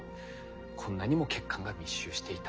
こんなにも血管が密集していたんです。